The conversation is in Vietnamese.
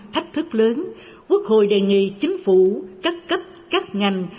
thách thức lớn quốc hội đề nghị chính phủ các cấp các ngành